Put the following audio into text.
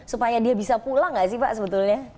supaya dia bisa pulang nggak sih pak sebetulnya